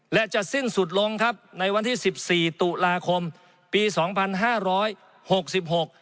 และจะสิ้นสุดลงครับในวันที่สิบสี่ตุลาคมปีสองพันห้าร้อยหกสิบหก